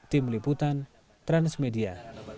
tim liputan transmedia